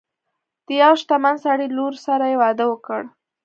د یو شتمن سړي لور سره یې واده وکړ.